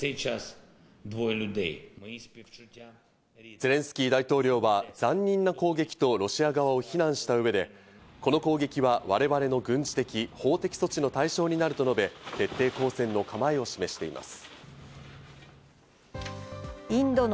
ゼレンスキー大統領は残忍な攻撃とロシア側を非難した上で、この攻撃は我々の軍事的、法的処置の対象になるとして徹底抗戦の構えを示しました。